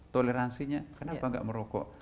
toleransinya kenapa nggak merokok